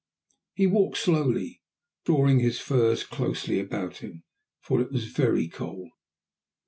He walked slowly, drawing his furs closely about him, for it was very cold.